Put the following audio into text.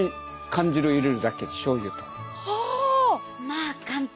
まあ簡単！